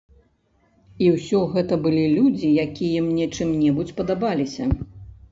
І ўсё гэта былі людзі, якія мне чым-небудзь падабаліся.